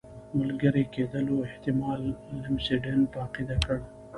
ملګري کېدلو احتمال لمسډن په عقیده کړ.